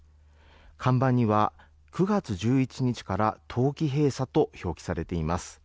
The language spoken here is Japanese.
看板には、９月１１日から冬季閉鎖と表記されています。